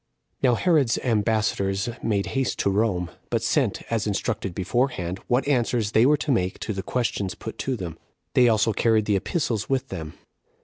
1. Now Herod's ambassadors made haste to Rome; but sent, as instructed beforehand, what answers they were to make to the questions put to them. They also carried the epistles with them.